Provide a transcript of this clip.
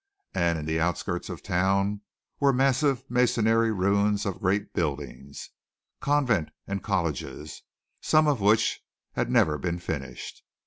And in the outskirts of town were massive masonry ruins of great buildings, convent and colleges, some of which had never been finished.